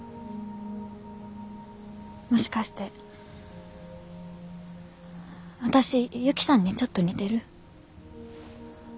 もしかして私ユキさんにちょっと似てる？